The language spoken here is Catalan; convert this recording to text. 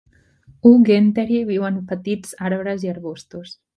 "U. guentheri" viu en petits arbres i arbustos.